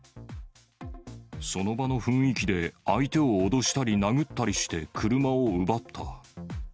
その場の雰囲気で、相手を脅したり殴ったりして車を奪った。